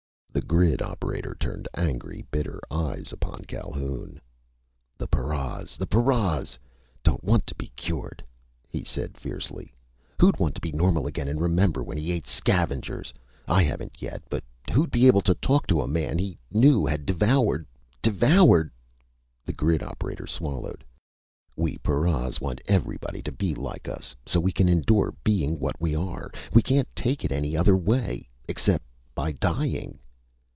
_" The grid operator turned angry, bitter eyes upon Calhoun. "The paras we paras! don't want to be cured!" he said fiercely. "Who'd want to be normal again and remember when he ate scavengers? I haven't yet, but who'd be able to talk to a man he knew had devoured ... devoured " The grid operator swallowed. "We paras want everybody to be like us, so we can endure being what we are! We can't take it any other way except by dying!"